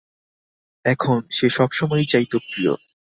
এখন, সে সবসময় চাইত, প্রিয়।